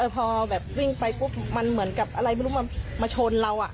พอแบบวิ่งไปปุ๊บมันเหมือนกับอะไรไม่รู้มันมาชนเรา